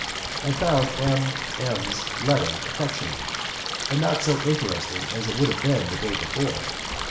I found M M 's letter affectionate, but not so interesting as it would have been the day before.